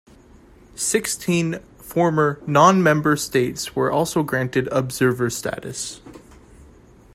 Sixteen former non-member states were also granted observer status.